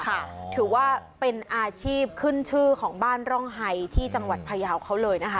ถือว่าเป็นอาชีพขึ้นชื่อของบ้านร่องไฮที่จังหวัดพยาวเขาเลยนะคะ